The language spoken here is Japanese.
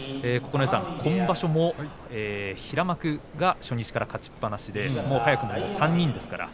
今場所も平幕が初日から勝ちっぱなしで早くも３人ですから。